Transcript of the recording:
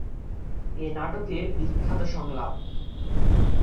এ নাটকের বিখ্যাত সংলাপ